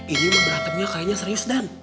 ini berantemnya kayaknya serius dan